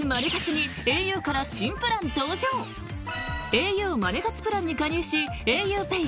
ａｕマネ活プランに加入しａｕＰＡＹ